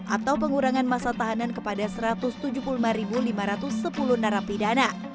atau pengurangan masa tahanan kepada satu ratus tujuh puluh lima lima ratus sepuluh narapidana